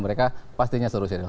mereka pastinya seru